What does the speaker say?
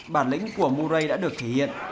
bản lĩnh của murray đã được thể hiện